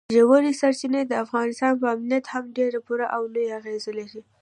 ژورې سرچینې د افغانستان په امنیت هم ډېر پوره او لوی اغېز لري.